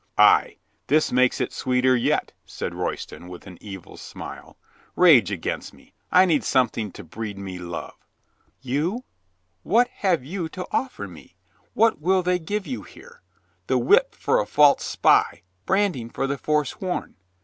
"Ay, this makes it sweeter yet," said Royston, with an evil smile. "Rage against me. I need some thing to breed me love." "You — what have you to offer me? What will they give you here? The whip for a false spy, branding for the foresworn.